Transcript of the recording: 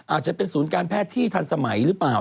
อาจจะเป็นศูนย์การแพทย์ที่ทันสมัยหรือเปล่า